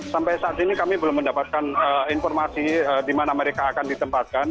sampai saat ini kami belum mendapatkan informasi di mana mereka akan ditempatkan